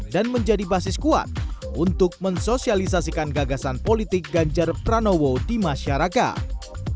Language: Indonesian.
dan menjadi basis kuat untuk mensosialisasikan gagasan politik ganjar pranowo di masyarakat